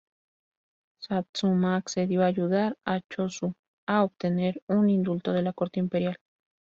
Satsuma accedió a ayudar a Chōshū a obtener un indulto de la Corte Imperial.